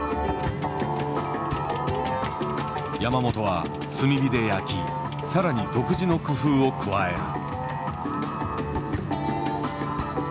山本は炭火で焼き更に独自の工夫を加える。